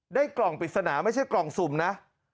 กล่องปริศนาไม่ใช่กล่องสุ่มนะ